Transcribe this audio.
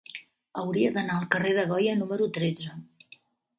Hauria d'anar al carrer de Goya número tretze.